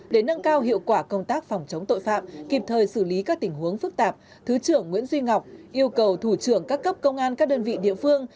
để nâng cao hiệu quả công tác phòng chống tội phạm kịp thời xử lý các tình huống phức tạp thứ trưởng nguyễn duy ngọc yêu cầu thủ trưởng các cấp công an các đơn vị địa phương